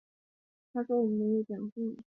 这些公理通常可以被递回地定义。